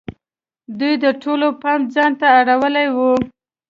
دوی د ټولو پام ځان ته اړولی وو.